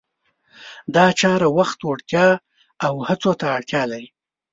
دا چاره وخت، وړتیا او هڅو ته اړتیا لري.